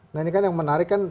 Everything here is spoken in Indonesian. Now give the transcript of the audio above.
nah ini kan yang menarik kan